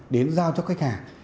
đến giao cho khách hàng